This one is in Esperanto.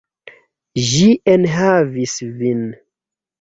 Ĝi enhavis vin.